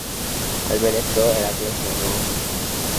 Al ver esto, Heracles sonó su cascabel y los pájaros se alejaron de ahí.